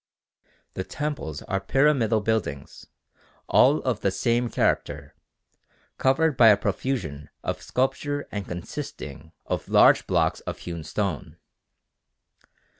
The temples are pyramidal buildings, all of the same character, covered by a profusion of sculpture and consisting of large blocks of hewn stone.